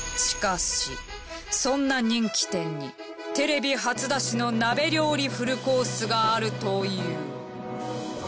しかしそんな人気店にテレビ初出しの鍋料理フルコースがあるという。